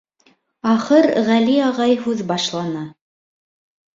Ахыр Ғәли ағай һүҙ башланы.